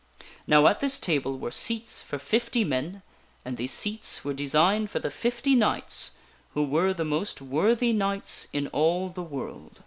Now, at this table were seats for fifty men, MgrKn tglleth and these seats were designed for the fifty knights who were of the Round the most worthy knights in all the world.